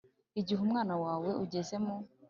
igihe umwana wawe ugeze mu